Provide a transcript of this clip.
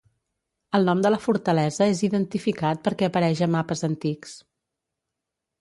El nom de la fortalesa és identificat perquè apareix a mapes antics.